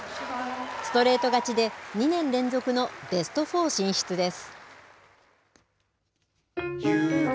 ストレート勝ちで、２年連続のベストフォー進出です。